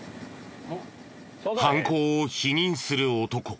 犯行を否認する男。